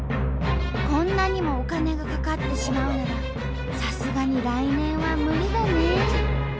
「こんなにもお金がかかってしまうならさすがに来年はムリだね」。